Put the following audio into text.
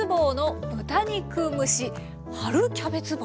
春キャベツ棒？